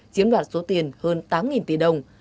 chiếm đoạt số tiền hơn tám tỷ đồng